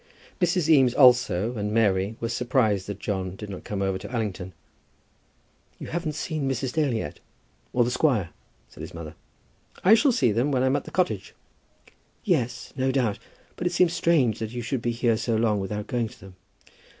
Mrs. Eames also, and Mary, were surprised that John did not go over to Allington. "You haven't seen Mrs. Dale yet, or the squire?" said his mother. "I shall see them when I am at the cottage." "Yes; no doubt. But it seems strange that you should be here so long without going to them."